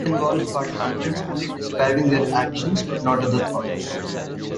This involves participants only describing their actions but not other thoughts.